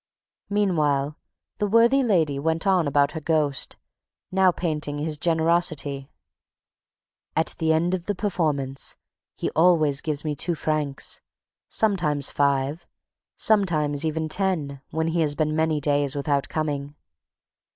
Meanwhile, the worthy lady went on about her ghost, now painting his generosity: "At the end of the performance, he always gives me two francs, sometimes five, sometimes even ten, when he has been many days without coming.